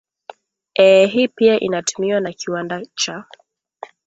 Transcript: ee hii pia inatumiwa na kiwanda cha